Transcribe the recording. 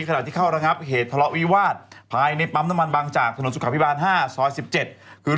ขณะที่เข้าระงับเหตุทะเลาะวิวาสภายในปั๊มน้ำมันบางจากถนนสุขภิบาล๕ซอย๑๗คือ